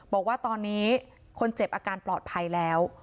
บอกว่าตอนนี้คนเจ็บอาการปลอดภัยแล้ว